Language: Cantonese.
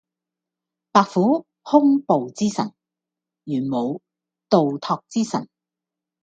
白虎兇暴之神，玄武盜拓之神